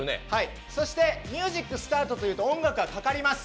そしてミュージックスタートと言うと音楽がかかります。